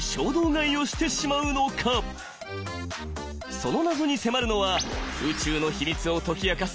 その謎に迫るのは宇宙の秘密を解き明かす